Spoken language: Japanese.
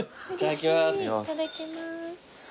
いただきます。